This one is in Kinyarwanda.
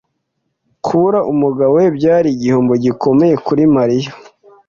Kubura umugabo we byari igihombo gikomeye kuri Mariya.